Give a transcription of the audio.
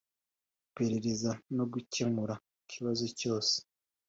iperereza no gucyemura ikibazo cyose